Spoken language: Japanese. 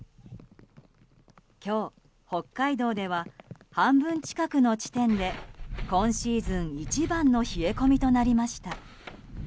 今日、北海道では半分近くの地点で今シーズン一番の冷え込みとなりました。